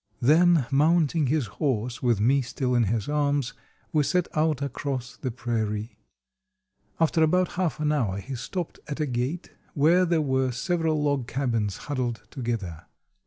Then, mounting his horse, with me still in his arms, we set out across the prairie. After about half an hour he stopped at a gate, where there were several log cabins huddled together.